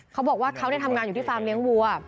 เขาบอกว่าเขาทำงานอยู่ที่ฟาร์มเลี้ยงวัว